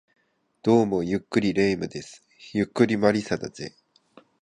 どうも、ゆっくり霊夢です。ゆっくり魔理沙だぜ